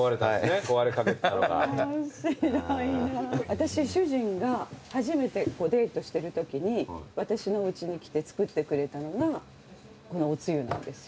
私主人が初めてデートしてるときに私のうちに来て作ってくれたのがこのおつゆなんですよ。